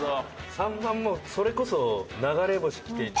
３番もそれこそ流れ星☆来て。